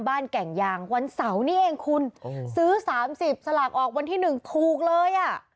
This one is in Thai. บ้านแก่งยางวันเสาร์นี่เองคุณซื้อสามสิบสลากออกวันที่หนึ่งถูกเลยอ่ะ